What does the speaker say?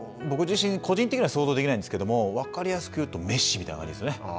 僕自身個人的には想像できないんですけど分かりやすく言うとメッシみたいな感じですね。